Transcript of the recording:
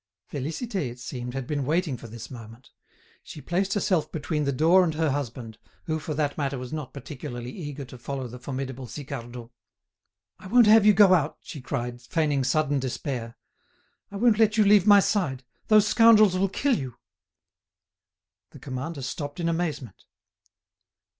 Félicité, it seemed, had been waiting for this moment. She placed herself between the door and her husband, who, for that matter, was not particularly eager to follow the formidable Sicardot. "I won't have you go out," she cried, feigning sudden despair. "I won't let you leave my side. Those scoundrels will kill you." The commander stopped in amazement.